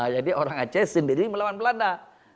jadi orang aceh sendiri melawan belanda